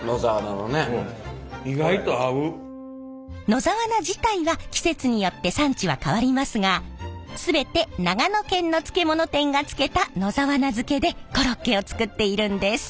野沢菜自体は季節によって産地は変わりますが全て長野県の漬物店が漬けた野沢菜漬けでコロッケを作っているんです。